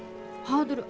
ハードル？